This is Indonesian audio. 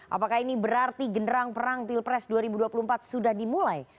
apakah ini berarti genderang perang pilpres dua ribu dua puluh empat sudah dimulai